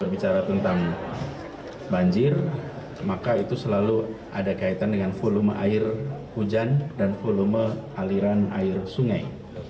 bicara tentang banjir maka itu selalu ada kaitan dengan volume air hujan dan volume aliran air sungai